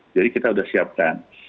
jadi kita sudah siapkan